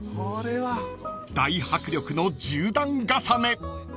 ［大迫力の１０段重ね］